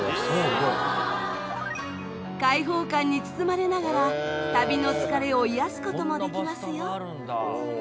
開放感に包まれながら旅の疲れを癒やす事もできますよ。